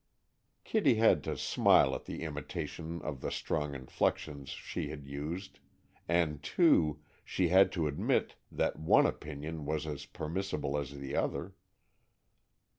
Kitty had to smile at the imitation of the strong inflections she had used, and, too, she had to admit that one opinion was as permissible as the other.